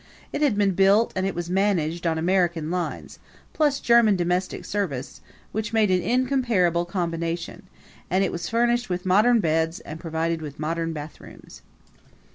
It had been built and it was managed on American lines, plus German domestic service which made an incomparable combination and it was furnished with modern beds and provided with modern bathrooms.